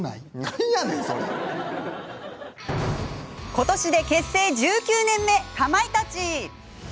今年で結成１９年目かまいたち。